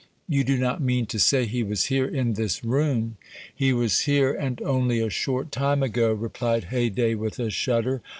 "You do not mean to say he was here, in this room?" "He was here and only a short time ago," replied Haydée, with a shudder.